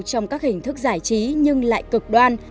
trong các hình thức giải trí nhưng lại cực đoan